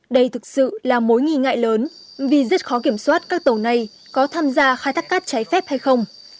đây thực sự là mối nghi ngại lớn vì rất khó kiểm soát các tàu này có tham gia khai thác cát trái phép hay không